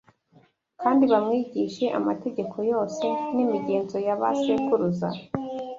kandi bamwigishije amategeko yose n’imigenzo ya ba sekuruza